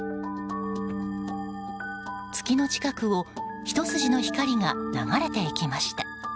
月の近くをひと筋の光が流れていきました。